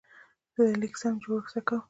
زه د لیک سم جوړښت زده کوم.